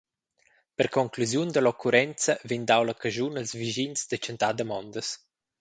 Per conclusiun dall’occurrenza vegn dau la caschun als vischins da tschentar damondas.